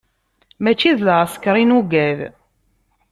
Mačči d lɛesker i nugad.